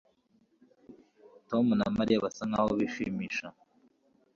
Tom na Mariya basa nkaho bishimisha